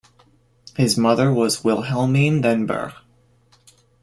His mother was Wilhelmine then Bergh.